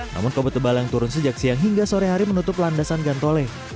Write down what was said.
namun kabut tebal yang turun sejak siang hingga sore hari menutup landasan gantole